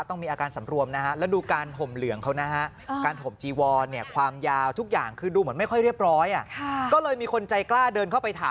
โอ้โฮห่มจีวอนนี่